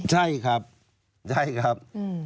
ใช่ครับใช่ครับ